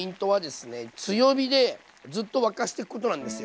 強火でずっと沸かしていくことなんですよ。